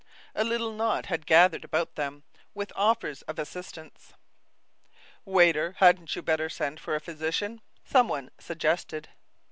A little knot had gathered about them, with offers of assistance. "Waiter, hadn't you better send for a physician?" some one suggested.